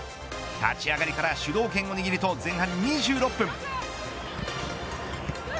立ち上がりから主導権を握ると前半２６分。